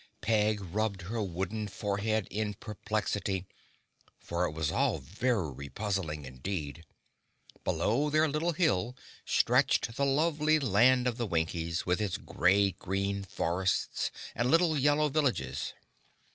Peg rubbed her wooden forehead in perplexity, for it was all very puzzling indeed. Below their little hill stretched the lovely land of the Winkies, with its great green forests and little yellow villages.